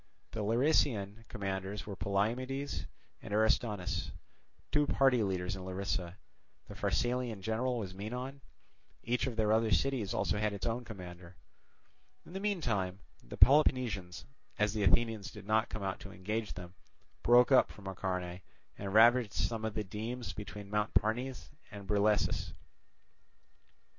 The Larisaean commanders were Polymedes and Aristonus, two party leaders in Larisa; the Pharsalian general was Menon; each of the other cities had also its own commander. In the meantime the Peloponnesians, as the Athenians did not come out to engage them, broke up from Acharnae and ravaged some of the demes between Mount Parnes and Brilessus.